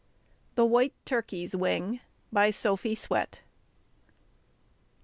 THE WHITE TURKEY'S WING BY SOPHIE SWETT.